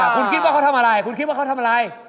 คุณคิดว่าเขาทำอะไร